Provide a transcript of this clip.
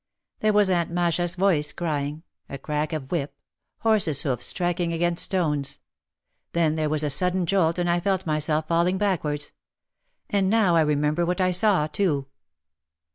There was Aunt Masha's voice crying, a crack of a whip, horses' hoofs striking against stones. Then there was a sudden jolt and I felt myself falling backwards. And now I remember what I saw, too.